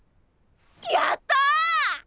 やった！